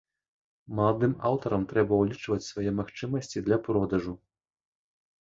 Маладым аўтарам трэба ўлічваць свае магчымасці для продажу.